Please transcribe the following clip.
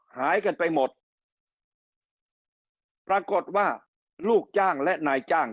หายกันไปหมดปรากฏว่าลูกจ้างและนายจ้าง